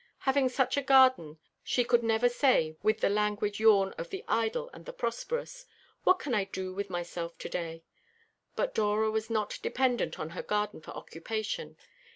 Having such a garden she could never say, with the languid yawn of the idle and the prosperous, "What can I do with myself to day?" But Dora was not dependent on her garden for occupation.